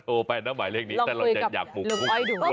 โทรไปน้องหมายเล่นนี้ตลอดจะอยากลุ้งอ้อยดูด้วย